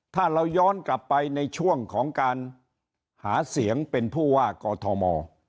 ถ้าเราย้อนกลับไปในช่วงของการหาเสียงเป็นผู้ว่ากอทม